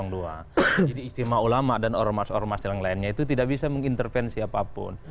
jadi istimewa ulama dan orang orang masyarakat lainnya itu tidak bisa mengintervensi apapun